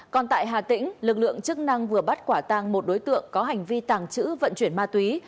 còn tại hà tĩnh lực lượng chức năng vừa bắt quả tàng một đối tượng có hành vi tàng trữ vận chuyển ma túy